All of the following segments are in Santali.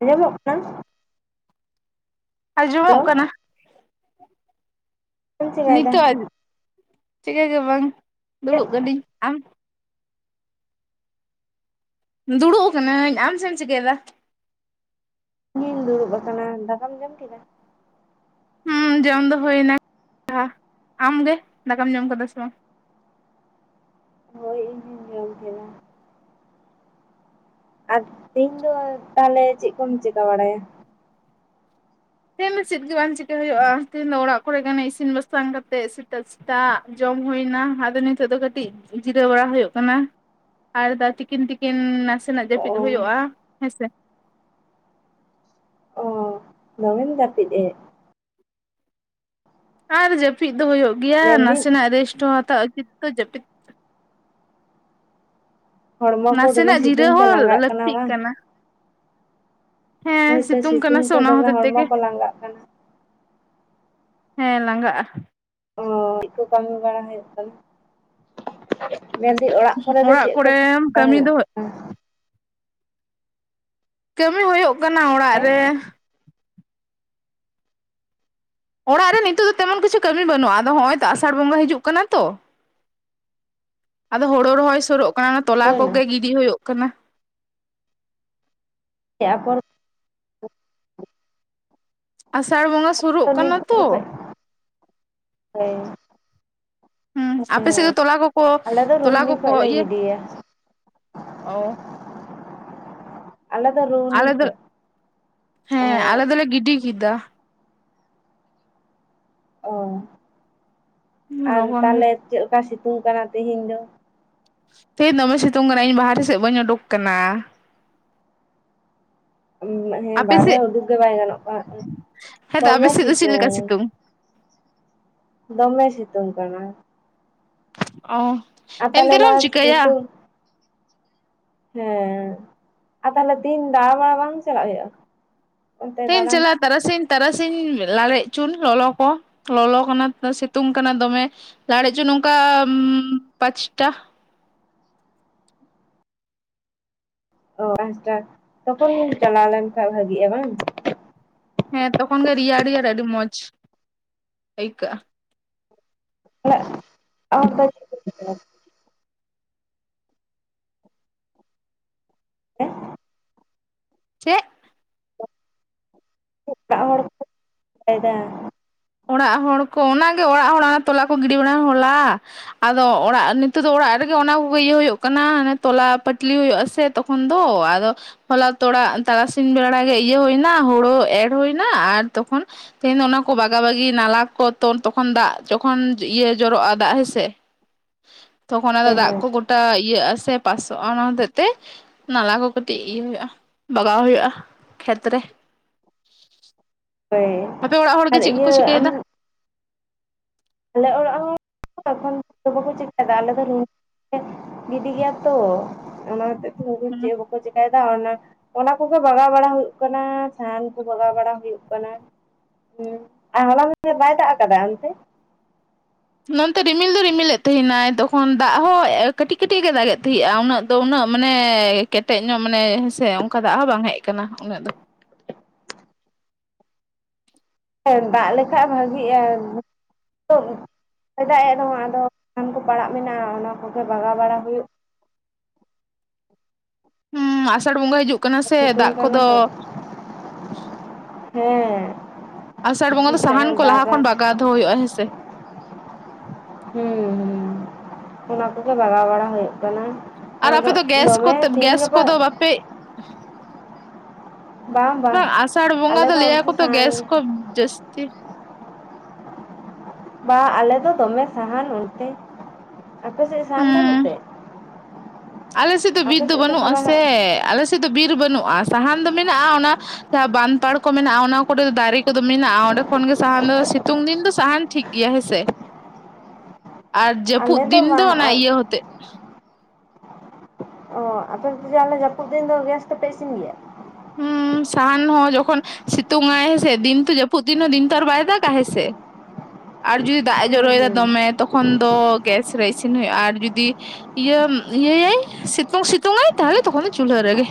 ᱟᱸᱡᱚᱢᱚᱜ ᱠᱟᱱᱟ? ᱦᱮᱞᱳ ᱟᱸᱡᱚᱢᱚᱜ ᱠᱟᱱᱟ᱾ ᱪᱮᱫ ᱮᱢ ᱪᱮᱠᱟᱭᱮᱫᱟ? ᱱᱤᱛᱚᱜ ᱪᱤᱠᱟᱹ ᱜᱮ ᱵᱟᱝ ᱪᱮᱫ ᱫᱩᱲᱩᱵ ᱠᱟᱹᱱᱤᱧ, ᱟᱢ? ᱫᱩᱲᱩᱵ ᱠᱟᱱᱟᱹᱧ ᱟᱢ ᱪᱮᱢ ᱪᱤᱠᱟᱹᱭᱫᱟ? ᱤᱧᱤᱧ ᱫᱩᱲᱩᱵ ᱟᱠᱟᱱᱟ ᱫᱟᱠᱟᱢ ᱡᱚᱢ ᱠᱮᱫᱟ᱾ ᱦᱩᱸ ᱡᱚᱢ ᱫᱚ ᱦᱩᱭᱱᱟ [unintelligible] ᱟᱢ ᱜᱮ ᱫᱟᱠᱟᱢ ᱡᱚᱢ ᱠᱟᱫᱟ ᱥᱮ ᱵᱟᱝ? ᱦᱳᱭ ᱤᱧᱦᱚᱸᱧ ᱡᱚᱢ ᱠᱮᱫᱟ᱾ ᱟᱨ ᱛᱮᱦᱮᱧ ᱫᱚ ᱛᱟᱦᱚᱞᱮ ᱪᱮᱫ ᱠᱚᱢ ᱪᱮᱠᱟ ᱵᱟᱲᱟᱭᱟ? ᱛᱮᱦᱮᱧ ᱫᱚ ᱪᱮᱫ ᱜᱮ ᱵᱟᱝ ᱪᱤᱠᱟ ᱦᱩᱭᱩᱜᱼᱟ᱾ ᱛᱮᱦᱮᱧ ᱫᱚ ᱚᱲᱟᱜ ᱠᱚᱨᱮ ᱜᱟᱱᱮ ᱤᱥᱤᱱ ᱵᱟᱥᱟᱝ ᱠᱟᱛᱮ ᱥᱤᱴᱟ ᱛᱟᱜ ᱡᱚᱢ ᱦᱩᱭᱱᱟ ᱟᱫᱚ ᱱᱤᱛᱚᱜ ᱫᱚ ᱠᱟᱹᱴᱤᱡ ᱡᱤᱨᱟᱹᱣ ᱵᱟᱲᱟ ᱦᱩᱭᱩᱜ ᱠᱟᱱᱟ᱾ ᱟᱨ ᱫᱟ ᱛᱤᱠᱤᱱ ᱛᱤᱠᱤᱱ ᱱᱟᱥᱮᱱᱟᱜ ᱚ ᱡᱟᱹᱯᱤᱫ ᱦᱩᱭᱩᱜᱼᱟ ᱦᱮᱸᱥᱮ᱾ ᱚ ᱫᱚᱢᱮᱢ ᱡᱟᱹᱯᱤᱫ ᱮ᱾ ᱟᱨ ᱡᱟᱹᱯᱤᱫ ᱫᱚ ᱦᱩᱭᱩᱜ ᱜᱮᱭᱟ᱾ ᱢᱮᱱᱫᱟᱹᱧ ᱱᱟᱥᱮᱱᱟᱜ ᱨᱮᱥᱴ ᱦᱚᱸ ᱦᱟᱛᱟᱣ ᱩᱪᱤᱛᱚ ᱡᱟᱹᱯᱤᱛ᱾ ᱦᱚᱲᱢᱚ ᱠᱚ ᱫᱚᱢᱮ ᱱᱟᱥᱮᱱᱟᱜ ᱡᱤᱨᱟᱹᱣ ᱥᱤᱛᱩᱝ ᱛᱮ ᱦᱚᱸ ᱞᱟᱸᱜᱟᱜ ᱞᱟᱹᱠᱛᱤᱜ ᱵᱟᱝ ᱠᱟᱱᱟ᱾ ᱦᱮᱸ ᱦᱳᱭᱛᱚ ᱥᱤᱛᱩᱝ ᱠᱟᱱᱟ ᱥᱮ ᱛᱮ ᱚᱱᱟ ᱫᱚᱢᱮ ᱦᱚᱛᱮᱜ ᱦᱚᱲᱢᱚ ᱛᱮᱜᱮ᱾ ᱠᱚ ᱞᱟᱸᱜᱟᱜ ᱠᱟᱱᱟ ᱦᱮᱸ ᱞᱟᱸᱜᱟᱜᱼᱟ᱾ ᱚ ᱪᱮᱫ ᱠᱚ ᱠᱟᱹᱢᱤ ᱵᱟᱲᱟ ᱦᱩᱭᱩᱜ ᱠᱟᱱᱟ᱾ ᱢᱮᱱᱫᱟᱹᱧ ᱚᱲᱟᱜ ᱠᱚᱨᱮ ᱫᱚ ᱪᱮᱫ ᱠᱚ [unintelligible] ᱠᱚᱨᱮᱢ ᱦᱩᱭᱩᱜ ᱠᱟᱹᱢᱤ ᱠᱟᱱᱟ? ᱫᱚ ᱠᱟᱹᱢᱤ ᱦᱩᱭᱩᱜ‌ ᱠᱟᱱᱟ ᱚᱲᱟᱜ ᱦᱮᱸ ᱨᱮ᱾ ᱚᱲᱟᱜ ᱨᱮ ᱱᱤᱛᱚᱜ ᱫᱚ ᱛᱮᱢᱚᱱ ᱠᱤᱪᱷᱩ ᱠᱟᱹᱢᱤ ᱵᱟᱹᱱᱩᱜᱼᱟ᱾ ᱟᱫᱚ ᱱᱚᱭ ᱛᱚ ᱟᱥᱟᱲ ᱵᱚᱸᱜᱟ ᱦᱤᱡᱩᱜ ᱠᱟᱱᱟ ᱛᱚ᱾ ᱟᱫᱚ ᱦᱳᱲᱳ ᱨᱚᱦᱚᱭ ᱥᱟᱨᱚᱜ ᱠᱟᱱᱟ᱾ ᱛᱚᱞᱟ ᱦᱩᱭᱱᱟ ᱠᱚᱜᱮ ᱜᱤᱰᱤ ᱦᱩᱭᱩᱜ ᱠᱟᱱᱟ᱾ ᱪᱮᱫ ᱟᱯᱚᱨ ᱟᱥᱟᱲ ᱵᱚᱸᱜᱟ [unintelligible] ᱛᱚ [unintelligible] ᱯᱟᱹᱭ ᱦᱩᱸ ᱟᱯᱮ ᱥᱮᱫ ᱫᱚ ᱛᱚᱞᱟ ᱠᱚᱠᱚ ᱟᱞᱮ ᱫᱚ ᱛᱚᱞᱟ ᱨᱩᱦᱱᱤ ᱠᱚᱠᱚ ᱠᱷᱚᱡ ᱞᱮ ᱤᱭᱟᱹ ᱜᱤᱰᱤᱭᱟ ᱚ ᱟᱞᱮᱫᱚ ᱨᱩᱦᱱᱤ ᱟᱞᱮ ᱫᱚ ᱠᱷᱚᱡ᱾ ᱚ ᱦᱮᱸ ᱟᱞᱮ ᱫᱚᱞᱮ ᱜᱤᱰᱤ ᱠᱮᱫᱟ᱾ ᱚ ᱟᱨ ᱞᱚᱜᱚᱱ ᱜᱮ ᱛᱟᱦᱚᱞᱮ ᱪᱮᱠᱟᱜ ᱞᱮᱠᱟ ᱥᱤᱛᱩᱝ ᱠᱟᱱᱟ ᱛᱮᱦᱮᱧ ᱫᱚ? ᱛᱮᱦᱮᱧ ᱫᱚᱢᱮ ᱥᱤᱛᱩᱝ ᱠᱟᱱᱟ᱾ ᱤᱧ ᱵᱟᱦᱨᱮ ᱥᱮᱫ ᱵᱟᱹᱧ ᱚᱰᱩᱠ ᱟᱠᱟᱱᱟ᱾ ᱦᱮᱸ ᱟᱯᱮ ᱵᱟᱨᱦᱮ ᱥᱮᱫ ᱩᱰᱩᱠ ᱜᱮ ᱵᱟᱭ ᱜᱟᱱᱚᱜ ᱠᱟᱱᱟ ᱦᱮᱸᱛᱚ ᱟᱯᱮ ᱫᱚᱢᱮ ᱥᱮᱫ ᱫᱚ ᱪᱮᱫ ᱞᱮᱠᱟ ᱥᱤᱛᱩᱝ᱾ ᱫᱚᱢᱮ ᱥᱤᱛᱩᱝ ᱠᱟᱱᱟ᱾ ᱚ ᱟᱨ ᱛᱟᱦᱚᱞᱮ ᱮᱱᱛᱮ ᱱᱚᱣᱟ ᱨᱮᱦᱚᱸᱢ ᱪᱤᱠᱟᱹᱭᱟ᱾ ᱥᱤᱛᱩᱝ ᱦᱮᱸ ᱟᱨ ᱛᱟᱦᱚᱞᱮ ᱛᱤᱦᱤᱱ ᱫᱟᱬᱟ ᱵᱟᱲᱟ ᱵᱟᱝ ᱪᱟᱞᱟᱜ ᱦᱩᱭᱩᱜᱼᱟ᱾ ᱚᱱᱛᱮ ᱛᱮ ᱫᱟᱬᱟᱱ ᱪᱟᱞᱟᱛ ᱛᱟᱨᱟᱥᱤᱧ ᱛᱟᱨᱟᱥᱤᱧ ᱞᱟᱲᱮᱡᱪᱚᱱ ᱞᱚᱞᱚ ᱠᱚ ᱞᱚᱞᱚ ᱠᱟᱱᱟ ᱥᱤᱛᱩᱝ ᱠᱟᱱᱟ ᱫᱚᱢᱮ᱾ ᱞᱟᱲᱮᱪᱚ ᱱᱚᱝᱠᱟ ᱩᱸ ᱯᱟᱸᱪᱴᱟ᱾ ᱚ ᱯᱟᱸᱪᱴᱟ ᱛᱚᱠᱷᱚᱱᱤᱧ ᱪᱟᱞᱟᱣ ᱞᱮᱱᱠᱷᱟᱱ ᱵᱷᱟᱹᱜᱤᱜᱼᱟ ᱵᱟᱝ ᱦᱮᱸ ᱛᱚᱠᱷᱚᱱ ᱜᱮ ᱨᱮᱭᱟᱲ ᱨᱮᱭᱟᱲ ᱟᱹᱰᱤ ᱢᱚᱸᱡᱽ ᱟᱹᱭᱠᱟᱹᱜᱼᱟ᱾ [unintelligible] [unintelligible] ᱦᱮᱸ ᱪᱮᱫ [unintelligible] ᱦᱚᱲ ᱠᱚ [unintelligible] ᱚᱲᱟᱜ ᱦᱚᱲ ᱠᱚ ᱚᱱᱟ ᱜᱮ ᱚᱲᱟᱜ ᱦᱚᱲ ᱚᱱᱟ ᱛᱚᱞᱟ ᱠᱚ ᱜᱤᱰᱤ ᱵᱟᱲᱟ ᱦᱚᱞᱟ᱾ ᱟᱫᱚ ᱚᱲᱟᱜ ᱱᱤᱛᱚᱜ ᱫᱚ ᱚᱲᱟᱜ ᱨᱮᱜᱮ ᱚᱱᱟ ᱠᱚᱜᱮ ᱤᱭᱟᱹ ᱦᱩᱭᱩᱜ ᱠᱟᱱᱟ᱾ ᱛᱚᱞᱟ ᱯᱟᱹᱴᱞᱤ ᱦᱩᱭᱩᱜ ᱟᱥᱮ ᱛᱚᱠ ᱠᱷᱚᱱ ᱫᱚ ᱟᱫᱚ ᱦᱚᱞᱟ ᱛᱚᱲᱟ ᱛᱟᱨᱟᱥᱤᱧ ᱵᱮᱲᱟ ᱜᱮ ᱤᱭᱟᱹ ᱦᱩᱭᱱᱟ ᱦᱳᱲᱳ ᱮᱨ ᱦᱩᱭᱱᱟ ᱟᱨ ᱛᱚᱠᱷᱚᱱ ᱛᱮᱦᱧ ᱫᱚ ᱚᱱᱟ ᱠᱚ ᱵᱟᱠ ᱵᱟᱜᱟ ᱵᱟᱜᱤ ᱱᱟᱞᱟ ᱠᱚ ᱛᱚᱨ ᱛᱚᱠᱷᱚᱱ ᱫᱟᱜ ᱡᱚᱠᱷᱚᱱ ᱤᱭᱟᱹ ᱡᱚᱨᱚᱜᱼᱟ ᱫᱟᱜ ᱦᱮᱸᱥᱮ ᱛᱚᱠᱷᱚᱱ ᱟᱫᱚ ᱦᱳᱭ ᱦᱳᱭ ᱫᱟᱜ ᱠᱚ ᱜᱚᱴᱟ ᱤᱭᱟᱹᱜᱼᱟᱥᱮ ᱯᱟᱥᱚᱜᱼᱟ ᱚᱱᱟ ᱦᱚᱛᱮᱡ ᱛᱮ ᱱᱟᱞᱟ ᱠᱚ ᱠᱟᱹᱴᱤᱡ ᱤᱭᱟᱹ ᱦᱩᱭᱩᱜᱼᱟ ᱵᱟᱜᱟᱣ ᱦᱩᱭᱩᱜᱼᱟ ᱠᱷᱮᱛᱨᱮ᱾ ᱦᱳᱭ ᱟᱯᱮ ᱚᱲᱟᱜ ᱦᱚᱲ ᱜᱮ ᱟᱨ ᱪᱮᱫ ᱠᱚᱠᱚ ᱤᱭᱟᱹ ᱟᱢ ᱪᱤᱠᱟᱹᱭᱮᱫᱟ ᱟᱞᱮ ᱚᱲᱟᱜ ᱦᱚᱸ [inaudible] [unintelligible] ᱟᱞᱮ ᱫᱚ ᱨᱩ ᱜᱤᱰᱤ ᱜᱮᱭᱟ ᱛᱚ ᱚᱱᱟ ᱦᱚᱛᱮᱫ ᱛᱮ ᱩᱱᱠᱩ ᱪᱮᱫ ᱦᱚᱸ ᱵᱟᱠᱚ ᱪᱮᱠᱟᱭ ᱵᱟ ᱚᱱᱟ ᱠᱚᱜᱮ ᱵᱟᱜᱟᱣ ᱵᱟᱲᱟ ᱦᱩᱭᱩᱜ ᱠᱟᱱᱟ ᱥᱟᱦᱟᱱ ᱠᱚ ᱵᱟᱜᱟᱣ ᱵᱟᱲᱟ ᱦᱩᱭᱩᱜ ᱠᱟᱱᱟ᱾ ᱦᱮᱸ ᱟᱨ ᱦᱚᱞᱟ [unintelligible] ᱵᱟᱭ ᱫᱟᱜ ᱠᱟᱫᱟ ᱚᱱᱛᱮ? ᱱᱚᱱᱛᱮ ᱨᱤᱢᱤᱞ ᱫᱚ ᱨᱤᱢᱤᱞᱮᱫ ᱛᱟᱦᱮᱱᱟᱭ ᱛᱚᱠᱷᱚᱱ ᱫᱟᱜ ᱦᱚᱸ ᱠᱟᱹᱴᱤᱡ ᱠᱟᱹᱴᱤᱡ ᱫᱟᱜ ᱮ ᱛᱟᱦᱮᱸᱜᱼᱟ ᱩᱱᱟᱹᱜ ᱫᱚ ᱩᱱᱟᱹᱜ ᱢᱟᱱᱮ ᱠᱮᱴᱮᱡ ᱧᱚᱜ ᱢᱟᱱᱮ ᱦᱮᱸ ᱥᱮ ᱚᱱᱠᱟ ᱫᱟᱜ ᱦᱚᱸ ᱵᱟᱝ ᱦᱮᱡ ᱟᱠᱟᱱᱟ ᱩᱱᱟᱹᱜ ᱫᱚ᱾ ᱫᱟᱜ ᱞᱮᱠᱷᱟᱡ ᱵᱷᱟᱜᱤᱜᱼᱟ᱾ [unintelligible] ᱥᱟᱦᱟᱱ ᱠᱚ ᱯᱟᱲᱟᱜ ᱢᱮᱱᱟᱜᱼᱟ ᱚᱱᱟ ᱠᱚᱜᱮ ᱵᱟᱜᱟᱣ ᱵᱟᱲᱟ ᱦᱩᱭᱩᱜ ᱦᱩᱸ ᱟᱥᱟᱲ ᱵᱚᱸᱜᱟ ᱦᱤᱡᱩᱜ ᱠᱟᱱᱟ ᱥᱮ ᱫᱟᱜ ᱥᱤᱛᱩᱝ ᱠᱟᱱᱟ ᱠᱚᱫᱚ ᱛᱚ ᱦᱮᱸ ᱟᱥᱟᱲ ᱵᱚᱸᱜᱟ ᱫᱚ ᱥᱟᱦᱟᱱ ᱛᱤᱥᱮᱜ ᱠᱚ ᱞᱟᱦᱟ ᱫᱟᱜᱟ ᱠᱷᱚᱱ ᱵᱟᱜᱟᱣ ᱫᱚᱦᱚ ᱦᱩᱭᱩᱜᱼᱟ ᱦᱮᱸ ᱥᱮ᱾ ᱦᱩᱸ ᱦᱩᱸ ᱚᱱᱟ ᱠᱚᱜᱮ ᱵᱟᱜᱟᱣ ᱵᱟᱲᱟ ᱦᱩᱭᱩᱜ ᱠᱟᱱᱟ᱾ ᱟᱨ ᱟᱯᱮ ᱫᱚ ᱜᱮᱥ ᱫᱚᱢᱮ ᱠᱚᱛᱮ ᱛᱤᱦᱤᱧ ᱜᱮᱥ ᱜᱟᱯᱟ ᱠᱚᱫᱚ ᱵᱟᱯᱮ ᱵᱟᱝ ᱟᱥᱟᱲ ᱵᱚᱸᱜᱟ ᱟᱞᱮ ᱫᱚ ᱞᱟᱹᱭᱟᱠᱚ ᱚᱱᱛᱮ ᱛᱚ ᱜᱮᱥ ᱥᱟᱦᱟᱱ ᱠᱚ ᱡᱟᱹᱥᱛᱤ ᱵᱟ ᱟᱞᱮ ᱫᱚ ᱫᱚᱢᱮ ᱥᱟᱦᱟᱱ ᱚᱱᱛᱮ ᱟᱯᱮᱥᱮᱫ ᱥᱟᱦᱟᱱ ᱵᱟᱹᱱᱩᱜ ᱛᱮ? ᱟᱞᱮᱥᱮᱫ ᱫᱚ ᱵᱤᱨ ᱟᱯᱮ ᱫᱚ ᱥᱮᱫ ᱵᱟᱹᱱᱩᱜᱼᱟ ᱥᱮ ᱥᱟᱢᱟᱭ ᱟᱞᱮᱥ ᱫᱚ ᱵᱤᱨ ᱵᱟᱹᱱᱩᱜᱼᱟ ᱥᱟᱦᱟᱱ ᱫᱚ ᱢᱮᱱᱟᱜᱼᱟ ᱚᱱᱟ ᱡᱟᱦᱟᱸ ᱵᱟᱸᱫᱷ ᱯᱟᱲ ᱠᱚ ᱢᱮᱱᱟᱜᱼᱟ ᱚᱱᱟ ᱠᱚᱨᱮ ᱫᱟᱨᱮ ᱠᱚᱫᱚ ᱢᱮᱱᱟᱜᱼᱟ ᱚᱸᱰᱮ ᱠᱷᱚᱱ ᱜᱮ ᱥᱟᱦᱟᱱ ᱫᱚ ᱥᱤᱛᱩᱝ ᱫᱤᱱ ᱫᱚ ᱥᱟᱦᱟᱱ ᱴᱷᱤᱠ ᱜᱮᱭᱟ ᱦᱮᱸ ᱥᱮ ᱟᱞᱮ ᱫᱚ ᱵᱟᱝ ᱟᱨ ᱦᱩᱛᱮᱜ ᱚ ᱟᱯᱮ ᱫᱚ ᱫᱤᱫᱤ ᱟᱞᱮ ᱟᱹᱯᱩᱫ ᱫᱤᱱ ᱫᱚ ᱜᱮᱥ ᱫᱮᱯᱮ ᱤᱥᱤᱱ ᱜᱮᱭᱟ ᱦᱩ ᱥᱟᱦᱟᱱ ᱦᱚᱸ ᱡᱚᱠᱷᱚᱱ ᱥᱤᱛᱩᱝ ᱟᱭ ᱦᱮᱥᱮ ᱫᱤᱱ ᱫᱚ ᱡᱟᱹᱯᱩᱫ ᱫᱤᱱ ᱦᱚᱸ ᱫᱤᱱ ᱛᱚ ᱟᱨ ᱵᱟᱭ ᱫᱟᱜᱟ ᱦᱮᱸᱥᱮ [inaudible] ᱟᱨ ᱡᱩᱫᱤ ᱫᱟᱜ ᱮ ᱦᱩᱸ ᱡᱚᱨᱚᱭᱮᱫᱟ ᱦᱩᱸ ᱫᱚᱢᱮ ᱛᱚᱠᱷᱚᱱ ᱫᱚ ᱜᱮᱥ ᱨᱮ ᱤᱥᱤᱱ ᱦᱩᱭᱩᱜᱼᱟ ᱟᱨ ᱡᱩᱫᱤ ᱤᱭᱟᱢ ᱤᱭᱟᱹᱭᱟᱭ ᱥᱤᱛᱩᱝ ᱥᱤᱛᱩᱝ ᱟᱭ ᱛᱟᱦᱚᱞᱮ ᱛᱚᱠᱷᱚᱱ ᱫᱚ ᱪᱩᱞᱦᱟᱹ ᱨᱮᱜᱮ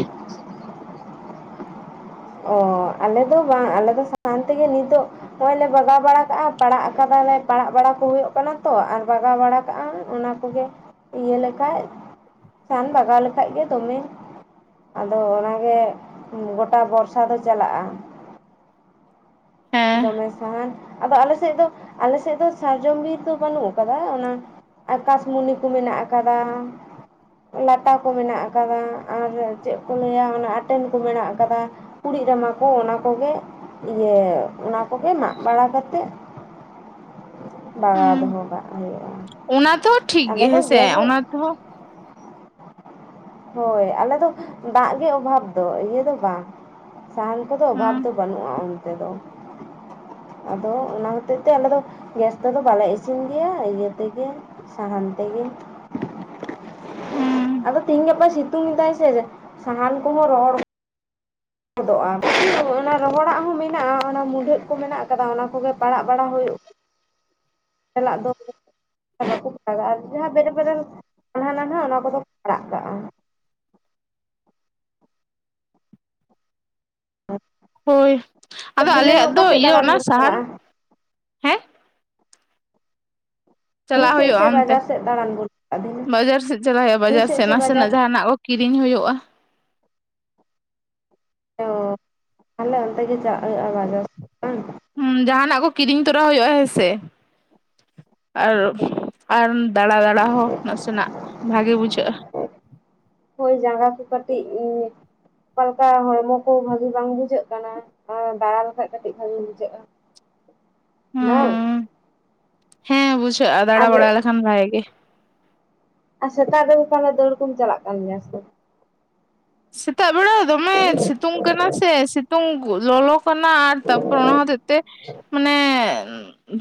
ᱚ ᱟᱞᱮ ᱫᱚ ᱵᱟᱝ ᱟᱞᱮ ᱫᱚ ᱥᱟᱦᱟᱱ ᱛᱮᱜᱮ ᱱᱤᱛᱚᱜ ᱱᱚᱜ ᱚᱭ ᱞᱮ ᱵᱟᱜᱟᱣ ᱵᱟᱲᱟ ᱠᱟᱜᱼᱟ ᱯᱟᱲᱟᱜ ᱠᱟᱫᱟᱞᱮ ᱯᱟᱲᱟᱜ ᱵᱟᱲᱟ ᱠᱚ ᱦᱩᱭᱩᱜ ᱠᱟᱱᱟ ᱛᱚ ᱟᱨ ᱵᱟᱜᱟᱣ ᱵᱟᱲᱟ ᱠᱟᱜᱼᱟ ᱚᱱᱟ ᱠᱚᱜᱮ ᱤᱭᱟᱹ ᱞᱮᱠᱷᱟᱡ ᱥᱟᱦᱟᱱ ᱵᱟᱜᱟᱣ ᱞᱮᱠᱷᱟᱡ ᱜᱮ ᱫᱚᱢᱮ ᱟᱫᱚ ᱚᱱᱟᱜᱮ ᱜᱚᱴᱟ ᱵᱚᱨᱥ ᱥᱟ ᱫᱚ ᱪᱟᱞᱟᱜᱼᱟ ᱦᱮᱸ ᱫᱚᱢᱮ ᱥᱟᱦᱟᱱ ᱟᱫᱚ ᱟᱞᱮᱥᱮᱫ ᱫᱚ ᱟᱞᱮᱥᱮᱫ ᱫᱚ ᱥᱟᱨᱡᱚᱢ ᱵᱤᱨ ᱫᱚ ᱵᱟᱹᱱᱩᱜ ᱟᱠᱟᱫᱟ ᱚᱱᱟ ᱟᱠᱟᱥᱢᱩᱱᱤ ᱠᱚ ᱢᱮᱱᱟᱜ ᱟᱠᱟᱫᱟ ᱞᱟᱴᱟ ᱠᱚ ᱢᱮᱱᱟᱜ ᱟᱠᱟᱫᱟ ᱟᱨ ᱪᱮᱫ ᱠᱚ ᱞᱟᱹᱭᱟ ᱚᱱᱟ ᱟᱴᱮᱱ ᱠᱚ ᱢᱮᱱᱟᱜ ᱟᱠᱟᱫᱟ ᱠᱩᱲᱤᱜ ᱨᱟᱢᱟ ᱠᱚ ᱚᱱᱟ ᱠᱚᱜᱮ ᱤᱭᱟᱹ ᱚᱱᱟ ᱠᱚᱜᱮ ᱢᱟᱜ ᱵᱟᱲᱟ ᱠᱟᱛᱮᱜ ᱵᱟᱜᱟᱣ ᱦᱩᱸ ᱫᱚᱦᱚ ᱠᱟᱜ ᱦᱩᱭᱩᱜᱼᱟ ᱟᱞᱮ ᱫᱚ ᱜᱮᱥ ᱫᱚ ᱴᱩ ᱦᱳᱠ ᱦᱳᱭ ᱟᱞᱮ ᱫᱚ ᱫᱟᱜ ᱜᱮ ᱚᱵᱷᱟᱵᱽ ᱫᱚ ᱤᱭᱟᱹ ᱫᱚ ᱵᱟᱝ ᱥᱟᱦᱟᱱ ᱠᱚᱫᱚ ᱚᱵᱷᱟᱵᱽ ᱦᱩᱸ ᱫᱚ ᱵᱟᱹᱱᱩᱜᱼᱟ ᱚᱱᱛᱮ ᱫᱚ ᱟᱫᱚ ᱚᱱᱟ ᱦᱚᱛᱮᱡ ᱛᱮ ᱟᱞᱮ ᱫᱚ ᱜᱮᱥ ᱛᱮᱫᱚ ᱵᱟᱞᱮ ᱤᱥᱤᱱ ᱜᱮᱭᱟ ᱤᱭᱟᱹ ᱛᱮᱜᱮ ᱥᱟᱦᱟᱱ ᱛᱮᱜᱮ ᱦᱩᱸ ᱟᱫᱚ ᱛᱤᱦᱤᱧ ᱜᱟᱯᱟ ᱥᱤᱛᱩᱝ ᱮᱫᱟᱭ ᱥᱮ ᱥᱟᱦᱟᱱ ᱠᱚᱦᱚᱸ ᱨᱚᱦᱚᱲ ᱦᱚᱫᱚᱜᱼᱟ ᱚᱱᱟ ᱨᱚᱦᱚᱲᱟᱜ ᱦᱚᱸ ᱢᱮᱱᱟᱜᱼᱟ ᱚᱱᱟ ᱢᱩᱰᱷᱟᱹᱫ ᱠᱚ ᱢᱮᱱᱟᱜ ᱟᱠᱟᱫᱟ ᱚᱱᱟ ᱠᱚᱜᱮ ᱯᱟᱲᱟᱜ ᱵᱟᱲᱟ ᱦᱩᱭᱩᱜ ᱪᱟᱞᱟᱜ ᱫᱚ ᱟᱨ ᱵᱟᱠᱩ ᱯᱟᱲᱟᱜ ᱟᱜ ᱞᱮᱭᱟ ᱵᱮᱨᱮᱞ ᱵᱮᱨᱮᱞ ᱱᱟᱱᱦᱟ ᱱᱟᱱᱦᱟ ᱚᱱᱟ ᱠᱚᱫᱚ ᱠᱚ ᱯᱟᱲᱟᱜ ᱠᱟᱜᱼᱟ ᱦᱳᱭ ᱟᱫᱚ ᱫᱷᱤᱱᱟᱹᱱ ᱟᱞᱮᱭᱟᱜ ᱚᱠᱟ ᱫᱚ ᱥᱮᱫ ᱤᱭᱟᱹ ᱫᱟᱬᱟᱱ ᱚᱱᱟ ᱵᱚᱱ ᱥᱟᱦᱟᱱ ᱪᱟᱞᱟᱜᱼᱟ? ᱦᱮᱸ ᱰᱟᱹᱦᱤ ᱪᱟᱞᱟᱜ ᱥᱮᱫ ᱦᱩᱭᱩᱜᱼᱟ ᱥᱮ ᱚᱱᱛᱮ ᱵᱟᱡᱟᱨ ᱥᱮᱫ ᱫᱟᱬᱟᱱ ᱵᱚᱱ ᱪᱟᱞᱟᱜᱼᱟ ᱫᱷᱤᱱᱟᱹᱱ ᱵᱟᱡᱟᱨ ᱥᱮᱫ ᱪᱟᱞᱟᱣ ᱦᱩᱭᱩᱜᱼᱟ ᱰᱟᱹᱦᱤ ᱵᱟᱡᱟᱨ ᱥᱮᱫ ᱥᱮ ᱵᱟᱡᱟᱨ ᱱᱟᱥᱮᱱᱟᱜ ᱥᱮᱫ? ᱡᱟᱦᱟᱱᱟᱜ ᱠᱚ ᱠᱤᱨᱤᱧ ᱦᱳᱭᱳᱜᱼᱟ ᱛᱚ ᱛᱟᱦᱚᱞᱮ ᱚᱱᱛᱮ ᱜᱮ ᱪᱟᱜ ᱦᱩᱭᱩᱜ ᱟ ᱵᱟᱡᱟᱨ ᱥᱮᱜ ᱵᱟᱝ? ᱦᱩᱸ ᱡᱟᱦᱟᱱᱟᱜ ᱠᱚ ᱠᱤᱨᱤᱧ ᱛᱚᱨᱟ ᱦᱩᱭᱩᱜᱼᱟ ᱦᱮᱸᱥᱮ ᱟᱨ ᱟᱨ ᱫᱟᱬᱟ ᱫᱟᱬᱟ ᱦᱚᱸ ᱱᱟᱥᱮᱱᱟᱜ ᱵᱷᱟᱜᱮ ᱵᱩᱡᱷᱟᱹᱜᱼᱟ ᱦᱳᱭ ᱡᱟᱸᱜᱟ ᱠᱚ ᱠᱟᱹᱴᱤᱡ ᱩᱸ ᱚᱠᱟᱞᱮᱠᱟ ᱦᱚᱲᱢᱚ ᱠᱚ ᱵᱷᱟᱹᱜᱤ ᱵᱟᱝ ᱵᱩᱡᱷᱟᱹᱜ ᱠᱟᱱᱟ ᱦᱚᱸ ᱫᱟᱬᱟ ᱞᱮᱠᱷᱟᱡ ᱠᱟᱹᱴᱤᱡ ᱵᱷᱟᱜᱤ ᱵᱩᱡᱷᱟᱹᱜᱼᱟ ᱦᱮᱱᱟ ᱵᱟᱝ ᱦᱩᱸ ᱦᱮᱸ ᱵᱩᱡᱷᱟᱹᱜᱼᱟ ᱟᱨ ᱫᱟᱬᱟ ᱵᱟᱲᱟᱭ ᱞᱮᱠᱷᱟᱱ ᱵᱷᱟᱜᱮ ᱜᱮ ᱟᱨ ᱥᱮᱛᱟᱜ ᱨᱮᱫᱚ ᱛᱟᱦᱚᱞᱮ ᱫᱟᱹᱲ ᱠᱚᱢ ᱪᱟᱞᱟᱜ ᱠᱟᱱ ᱜᱮᱭᱟ ᱥᱮ ᱵᱟᱝ? ᱥᱮᱛᱟᱜ ᱵᱮᱲᱟ ᱫᱚᱢᱮ ᱥᱤᱛᱩᱝ ᱠᱟᱱᱟ ᱥᱮ ᱥᱤᱛᱩᱝ ᱞᱚᱞᱚ ᱛᱚᱱᱟ ᱟᱨ ᱛᱟᱯᱚᱨ ᱚᱱᱟ ᱦᱚᱛᱮᱫ ᱛᱮ ᱢᱟᱱᱮ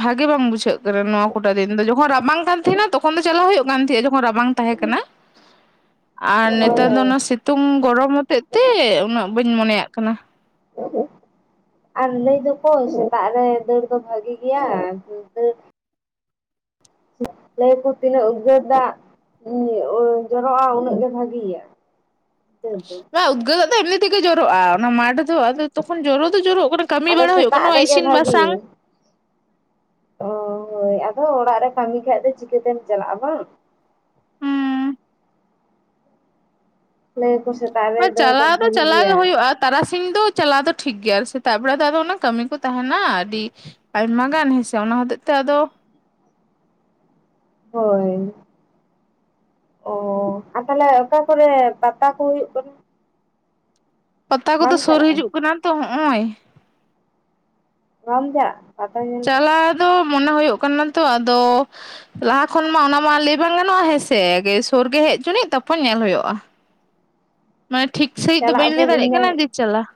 ᱵᱷᱟᱜᱮ ᱵᱟᱝ ᱵᱩᱡᱷᱟᱹᱜ ᱠᱟᱱᱟ ᱱᱚᱣᱟ ᱠᱚᱴᱟ ᱫᱤᱱ ᱫᱚ ᱡᱚᱠᱷᱚᱱ ᱨᱟᱵᱟᱝ ᱠᱟᱱ ᱛᱟᱦᱮᱱᱟ ᱛᱚᱠᱷᱚᱱ ᱫᱚ ᱪᱟᱞᱟᱜ ᱦᱩᱭᱩᱜ ᱠᱟᱱ ᱛᱟᱦᱮᱸᱫᱼᱟ ᱡᱚᱠᱷᱚᱱ ᱨᱟᱵᱟᱝ ᱛᱟᱦᱮᱸ ᱠᱟᱱᱟ ᱟᱨ ᱦᱳᱭ ᱱᱮᱛᱟᱨ ᱫᱚ ᱦᱳᱭ ᱚᱱᱟ ᱥᱤᱛᱩᱝ ᱜᱚᱨᱚᱢ ᱦᱚᱛᱮᱫ ᱛᱮ ᱩᱱᱟᱹᱜ ᱵᱟᱹᱧ ᱢᱚᱱᱮᱭᱟᱜ ᱠᱟᱱᱟ ᱟᱨ ᱞᱟᱹᱭ ᱫᱚᱠᱚ ᱥᱮᱛᱟᱜ ᱨᱮ ᱫᱟᱹᱲ ᱫᱚ ᱵᱷᱟᱜᱮ ᱜᱮᱭᱟ ᱫᱟᱹᱲ ᱞᱟᱹᱭᱟᱠᱩ ᱛᱤᱱᱟᱹᱜ ᱩᱫᱜᱟᱹᱨ ᱫᱟᱜ [unintelligible] ᱡᱚᱨᱚᱜᱼᱟ ᱩᱱᱟᱹᱜ ᱜᱮ ᱵᱷᱟᱜᱮᱭᱟ ᱵᱟ ᱩᱫᱜᱟᱹᱨ ᱫᱟᱜ ᱫᱚ ᱮᱢᱱᱤᱛ ᱛᱮᱜᱮ ᱡᱚᱨᱚᱜᱼᱟ ᱚᱱᱟ ᱢᱟᱴ ᱫᱚ ᱟᱫᱚ ᱛᱚᱠᱷᱚᱱ ᱡᱚᱨᱚ ᱫᱚ ᱡᱚᱨᱚᱜ ᱠᱟᱱᱟ ᱠᱟᱹᱢᱤ ᱟᱫᱚ ᱵᱟᱲᱟ ᱦᱩᱭᱩᱜ ᱠᱟᱱᱟ ᱥᱮᱛᱟᱜ ᱨᱮᱜᱮ ᱤᱥᱤᱱ ᱵᱟᱥᱟᱝ ᱚᱸ ᱦᱳᱭ ᱟᱫᱚ ᱚᱲᱟᱜ ᱨᱮ ᱠᱟᱹᱢᱤ ᱠᱷᱟᱡ ᱫᱚ ᱪᱤᱠᱟᱹ ᱛᱮᱢ ᱪᱟᱞᱟᱜᱼᱟ ᱵᱟᱝ ᱦᱩᱸ ᱞᱟᱹᱭ ᱟᱠᱚ ᱥᱮ ᱪᱟᱞᱟᱣ ᱫᱚ ᱪᱟᱞᱟᱣ ᱜᱮ ᱦᱩᱭᱩᱜᱼᱟ ᱛᱟᱨᱟᱥᱤᱧ ᱫᱚ ᱪᱟᱞᱟᱣ ᱫᱚ ᱴᱷᱤᱠ ᱜᱮᱭᱟ ᱥᱮᱛᱟᱜ ᱵᱮᱲᱟ ᱫᱚ ᱚᱱᱟ ᱠᱟᱹᱢᱤ ᱠᱚ ᱛᱟᱦᱮᱱᱟ ᱟᱹᱰᱤ ᱟᱭᱢᱟ ᱜᱟᱱ ᱦᱮᱸᱥᱮ ᱚᱱᱟ ᱦᱚᱛᱮᱡ ᱛᱮ ᱟᱫᱚ ᱦᱳᱭ ᱚᱸ ᱛᱟᱦᱚᱞᱮ ᱚᱠᱟ ᱠᱚᱨᱮ ᱯᱟᱛᱟ ᱠᱚ ᱦᱩᱭᱩᱜ ᱠᱟᱱᱟ ᱯᱟᱛᱟ ᱵᱟᱢ ᱠᱚᱫᱚ ᱥᱩᱨ ᱪᱟᱞᱟᱜᱼᱟ ᱦᱤᱡᱩᱜ ᱠᱟᱱᱟ ᱛᱚ ᱦᱚᱜᱼᱚᱭ ᱵᱟᱢ ᱪᱟᱼᱟ ᱪᱟᱞᱟᱣ ᱫᱚ ᱢᱚᱱᱮ ᱦᱩᱭᱩᱜ ᱠᱟᱱᱟ ᱛᱚ ᱟᱫᱚ ᱞᱟᱦᱟ ᱠᱷᱚᱱ ᱢᱟ ᱚᱱᱟᱢᱟ ᱞᱟᱹᱭ ᱵᱟᱝ ᱜᱟᱱᱚᱜᱼᱟ ᱦᱮᱸᱥᱮ ᱥᱩᱨ ᱜᱮ ᱦᱮᱡ ᱡᱚᱱᱤᱡ ᱛᱟᱯᱚᱨ ᱧᱮᱞ ᱦᱩᱭᱩᱜᱼᱟ [inaudible] ᱢᱟᱱᱮ ᱴᱷᱤᱠ ᱥᱟᱺᱦᱤᱡ ᱫᱚ ᱪᱟᱞᱟᱜ ᱵᱟᱹᱧ ᱞᱟᱹᱭ ᱟᱵᱚᱱ ᱫᱟᱲᱮᱭᱟᱜ ᱤᱧ ᱢᱟ ᱠᱟᱱᱟ ᱡᱮ ᱪᱟᱞᱟᱜ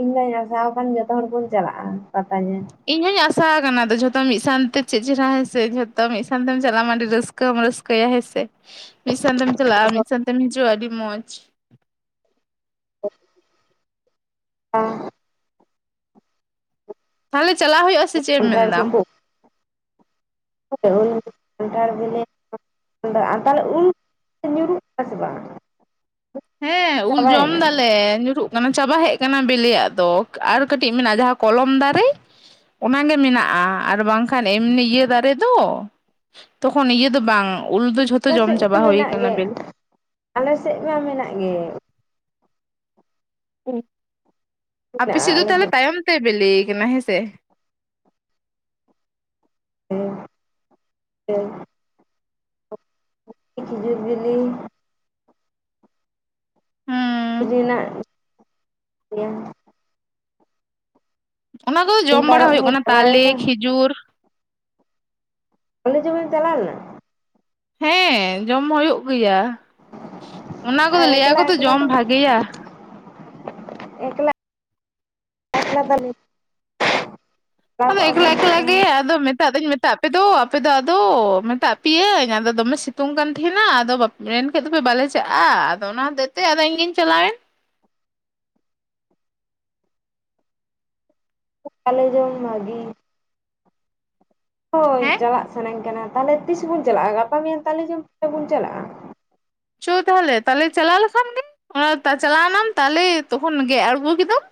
ᱤᱧ ᱫᱚᱧ ᱟᱥᱟᱣ ᱟᱠᱟᱱ ᱡᱚᱛᱚ ᱦᱚᱲ ᱵᱚᱱ ᱪᱟᱞᱟᱜᱼᱟ ᱯᱟᱛᱟ ᱧᱮᱞ ᱤᱧ ᱦᱚᱸᱧ ᱟᱥᱟ ᱟᱠᱟᱱᱟ ᱡᱷᱚᱛᱚ ᱢᱤᱫ ᱥᱟᱶᱛᱮ ᱪᱮᱫ ᱪᱮᱦᱨᱟ ᱦᱮᱸᱥᱮ ᱡᱷᱚᱛᱚ ᱢᱤᱫ ᱥᱟᱶᱛᱮᱢ ᱪᱟᱞᱟᱜ ᱢᱟ ᱟᱹᱰᱤ ᱨᱟᱹᱥᱠᱟᱹ ᱠᱟ. ᱢ ᱨᱟᱹᱥᱠᱟᱹᱭᱟ ᱦᱮᱸ ᱥᱮ [inaudible] ᱢᱤᱫ ᱥᱟᱱ ᱛᱮᱢ ᱪᱟᱞᱟᱜᱼᱟ ᱢᱤᱫ ᱦᱚᱞᱟ ᱥᱟᱱ ᱛᱮᱢ ᱦᱤᱡᱩᱜᱼᱟ ᱟᱹᱰᱤ ᱢᱚᱡᱽ ᱦᱮᱸ ᱛᱟᱦᱚᱞᱮ ᱪᱟᱞᱟᱜ ᱦᱩᱭᱩᱜᱼᱟ ᱥᱮ ᱪᱮᱫ ᱮᱢ ᱠᱟᱱᱴᱷᱟᱲ ᱢᱮᱱᱫᱟᱢ ᱠᱚᱠᱚ [unintelligible] ᱧᱩᱨᱩᱜ ᱠᱟᱱᱟ ᱥᱮ ᱵᱟᱝ ᱦᱮᱸ ᱩᱞ ᱡᱚᱢ ᱪᱟᱵᱟᱭᱮᱱᱟ ᱫᱟᱞᱮ ᱧᱩᱨᱩᱜ ᱚᱱᱟ ᱪᱟᱵᱟ ᱦᱮᱡ ᱠᱟᱱᱟ ᱵᱤᱞᱤᱭᱟᱜ ᱫᱚ ᱟᱨ ᱠᱟᱹᱴᱤᱡ ᱢᱮᱱᱟᱜᱼᱟ ᱡᱟᱦᱟᱸ ᱠᱚᱞᱚᱢ ᱫᱟᱨᱮ ᱚᱱᱟ ᱜᱮ ᱢᱮᱱᱟᱜᱼᱟ ᱟᱨ ᱵᱟᱝ ᱠᱷᱟᱱ ᱮᱢᱱᱤ ᱤᱭᱟᱹ ᱫᱟᱨᱮ ᱫᱚ ᱛᱚᱠᱷᱚᱱ ᱤᱭᱟᱹ ᱫᱚ ᱵᱟᱝ ᱩᱞ ᱫᱚ ᱡᱷᱚᱛᱚ ᱟᱞᱮ ᱡᱚᱢ ᱥᱮᱫ ᱪᱟᱵᱟ ᱢᱟ ᱦᱩᱭ ᱢᱮᱱᱟᱜ ᱠᱟᱱᱟ ᱜᱮ ᱵᱮᱞᱮ ᱟᱞᱮ ᱥᱮᱫ ᱢᱟ ᱢᱮᱱᱟᱜ ᱜᱮ ᱢᱮᱱᱟᱜᱼᱟ ᱟᱯᱮ ᱥᱮᱫ ᱫᱚ ᱟᱞᱮ ᱛᱟᱦᱚᱞᱮ ᱛᱟᱭᱚᱢ ᱛᱮ ᱵᱤᱞᱮ ᱠᱟᱱᱟ ᱦᱮᱸ ᱥᱮ ᱦᱮᱸ ᱦᱮᱸ ᱠᱷᱤᱡᱩᱨ ᱵᱤᱞᱤ ᱦᱮᱸ [unintelligible] ᱚᱱᱟ ᱫᱚ ᱡᱚᱢ ᱵᱟᱲᱟ ᱛᱟᱨᱚᱵ ᱦᱩᱭᱩᱜ ᱦᱚᱸ ᱠᱟᱱᱟ ᱛᱟᱞᱮ ᱪᱟᱵᱟᱭᱮᱱᱟ ᱠᱷᱤᱡᱩᱨ ᱛᱟᱞᱮ ᱡᱮᱢᱮᱢ ᱪᱟᱞᱟᱣ ᱞᱮᱱᱟ ᱦᱮᱸ ᱡᱚᱢ ᱦᱩᱭᱩᱜ ᱜᱮᱭᱟ ᱚᱱᱟ ᱟᱨ ᱠᱚᱫᱚ ᱞᱟᱹᱭᱟ ᱮᱠᱞᱟ ᱠᱚ ᱛᱚ ᱮᱠᱞᱟ ᱡᱚᱢ ᱫᱚ ᱵᱷᱟᱜᱮᱭᱟ ᱮᱠᱞᱟ [unintelligible] ᱟᱫᱚ ᱮᱠᱞᱟ ᱮᱠᱞᱟ ᱜᱮ ᱟᱫᱚ ᱢᱮᱛᱟᱜ ᱫᱚᱧ ᱢᱮᱛᱟᱜ ᱟᱯᱮ ᱫᱚ ᱟᱯᱮ ᱟᱫᱚ ᱢᱮᱛᱟᱜ ᱯᱮᱭᱟᱹᱧ ᱟᱫᱚ ᱫᱚᱢᱮ ᱥᱤᱛ ᱥᱤᱛᱩᱝ ᱠᱟᱱ ᱛᱟᱦᱮᱱᱟ ᱟᱫᱚ ᱢᱮᱱᱠᱮᱡ ᱫᱚᱯᱮ ᱵᱟᱞᱮ ᱪᱟᱞᱼᱟ ᱟᱫᱚ ᱚᱱᱟ ᱦᱚᱛᱮᱡ ᱛᱮ ᱟᱫᱚ ᱤᱧᱜᱤᱧ ᱪᱟᱞᱟᱣᱮᱱ [unintelligible] ᱦᱚᱭ ᱦᱮᱸ ᱪᱟᱞᱟᱜ ᱥᱟᱱᱟᱧ ᱠᱟᱱᱟ ᱛᱟᱦᱚᱞᱮ ᱛᱤᱥ ᱵᱚᱱ ᱪᱟᱞᱟᱜᱼᱟ ᱜᱟᱯᱟ ᱢᱮᱭᱟᱝ ᱛᱟᱞᱮ ᱡᱚᱢ ᱵᱚᱱ ᱪᱟᱞᱟᱜᱼᱟ ᱪᱚ ᱛᱟᱦᱚᱞᱮ ᱛᱟᱦᱚᱞᱮ ᱪᱟᱞᱟᱣ ᱞᱮᱠᱷᱟᱱ ᱜᱮ ᱚᱱᱟ ᱪᱟᱞᱟᱣᱱᱟᱢ ᱛᱟᱞᱮ ᱛᱚᱠᱷᱚᱱ ᱜᱮᱫ ᱟᱬᱜᱚ ᱠᱮᱫᱟᱢ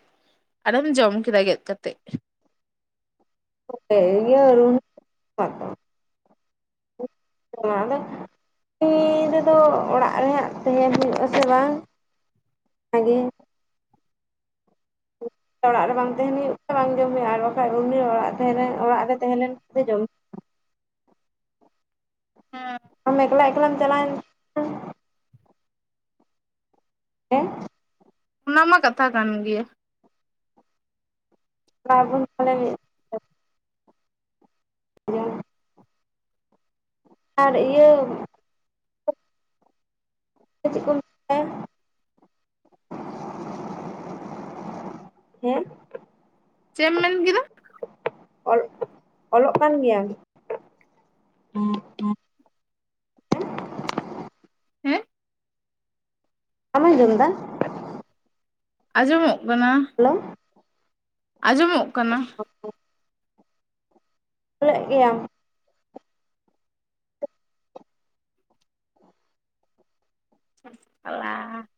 ᱟᱨᱮᱢ ᱡᱚᱢ ᱠᱮᱫᱟ ᱜᱮᱫ ᱠᱟᱛᱮᱫ [unintelligible] ᱛᱤ ᱨᱮᱫᱚ ᱚᱲᱟᱜ ᱨᱮ ᱦᱟᱸᱜ ᱛᱟᱦᱮᱱ ᱦᱩᱭᱩᱜ ᱟᱥᱮ ᱵᱟᱝ ᱚᱱᱟᱜᱮ ᱚᱲᱟᱜ ᱨᱮ ᱵᱟᱝ ᱛᱟᱦᱮᱱ ᱦᱩᱭᱩᱜ ᱛᱮ ᱵᱟᱝ ᱡᱚᱢ ᱦᱩᱭᱩᱜᱼᱟ ᱟᱨ ᱵᱟᱠᱷᱟᱡ ᱨᱩᱢᱤ ᱚᱲᱟᱜ ᱛᱟᱦᱮᱸᱱ ᱚᱲᱟᱜ ᱨᱮ ᱛᱟᱦᱮᱸ ᱞᱮᱱ ᱠᱷᱟᱱ ᱫᱚ ᱡᱚᱢᱼᱟ ᱦᱮᱸ ᱟᱢ ᱮᱠᱞᱟ ᱮᱠᱞᱟ ᱪᱟᱞᱟᱣᱮᱱ ᱦᱮ ᱚᱱᱟ ᱢᱟ ᱠᱟᱛᱷᱟ ᱠᱟᱱ ᱜᱮᱭᱟ [unintelligible] ᱟᱨ ᱤᱭᱟᱹ ᱪᱮᱫ ᱠᱚ ᱢᱮᱱ [unintelligible] ᱦᱮᱸ ᱪᱮᱫ ᱮᱢ ᱢᱮᱱ ᱠᱮᱫᱟ? ᱚᱞ ᱚᱞᱚᱜ ᱠᱟᱱ ᱜᱮᱭᱟᱢ ᱦᱮᱸ ᱵᱟᱢ ᱡᱚᱢ ᱮᱫᱟ? ᱟᱸᱡᱚᱢᱚᱜ ᱠᱟᱱᱟ ᱦᱮᱞᱳ ᱟᱸᱡᱚᱢᱚᱜ ᱠᱟᱱᱟ [inaudible] ᱚᱞᱮᱫ ᱜᱮᱭᱟᱢ? [unintelligible]